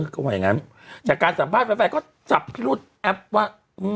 เขาว่าอย่างงั้นจากการสัมภาษณ์แฟนก็จับพิรุษแอปว่า